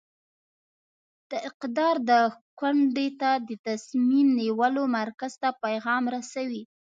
د اقدار د کونډې ته د تصمیم نیولو مرکز ته پیغام رسوي.